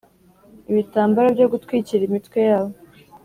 ibitambaro byo gutwikira imitwe yabo